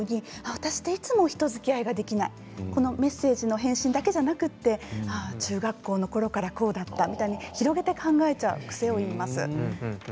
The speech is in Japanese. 私っていつも人づきあいができないメッセージの返信だけではなくて中学校のころからそうだったと広げて考えてしまう癖をいいます。